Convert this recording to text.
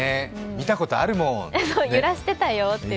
見たことあるもんって。